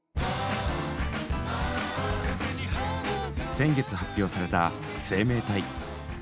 先月発表された「生命体」。